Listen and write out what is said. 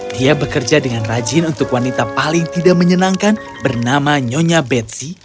dia bekerja dengan rajin untuk wanita paling tidak menyenangkan bernama nyonya betzy